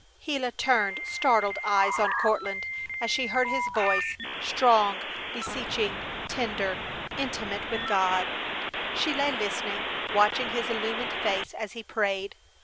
Gila turned startled eyes on Courtland as she heard his voice, strong, beseeching, tender, intimate with God! She lay listening, watching his illumined face as he prayed.